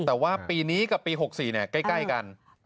แต่ว่าปีนี้กับปี๖๔ใกล้กัน